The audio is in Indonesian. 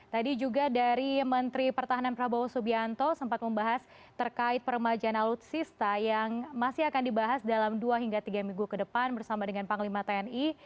tadi juga dari menteri pertahanan prabowo subianto sempat membahas terkait permajaan alutsista yang masih akan dibahas dalam dua hingga tiga minggu ke depan bersama dengan panglima tni